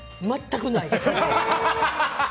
全くない。